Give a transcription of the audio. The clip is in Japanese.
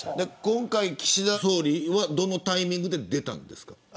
今回、岸田総理はどのタイミングで出たんですか。